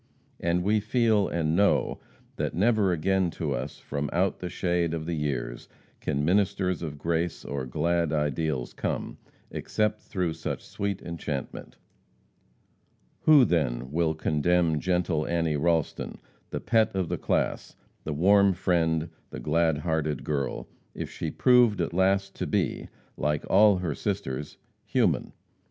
And we feel, and know, that never again to us from out the shade of the years, can ministers of grace or glad ideals come, except through such sweet enchantment. Who, then, will condemn gentle Annie Ralston, the pet of the class, the warm friend, the glad hearted girl, if she proved at last to be like all her sisters human?